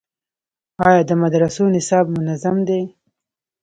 آیا د مدرسو نصاب منظم دی؟